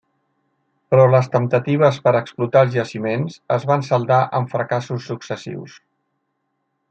Però les temptatives per explotar els jaciments es van saldar en fracassos successius.